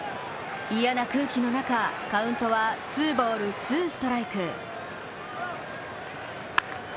嫌な空気の中、カウントはツーボール・ツーストライク。